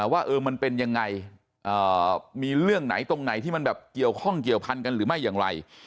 ว่ามันเป็นยังไงมีเรื่องไหนตรงไหนที่มันแบบเกี่ยวข้องเกี่ยวพันกันหรือไม่อย่างไร